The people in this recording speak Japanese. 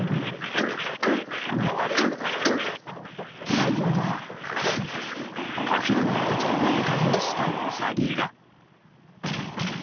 ［内容はアヒルの赤ちゃんにイタズラしたウサギが］